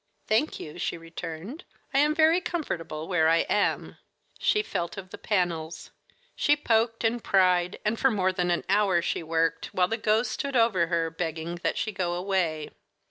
"Thank you," she returned. "I am very comfortable where I am." She felt of the panels, she poked and pried, and for more than an hour she worked, while the ghost stood over her, begging that she go away.